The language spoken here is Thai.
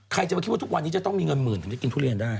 ใครจะมาคิดว่าทุกวันนี้จะต้องมีเงินหมื่นถึงได้กินทุเรียนได้